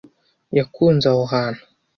yakunze aho hantu.